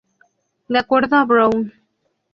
De acuerdo a Brown "et al.